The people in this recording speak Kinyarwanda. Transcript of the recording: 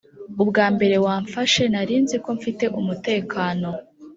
ubwa mbere wamfashe, nari nzi ko mfite umutekano.